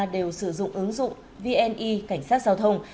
đều sử dụng ứng dụng vni cảnh sát giao thông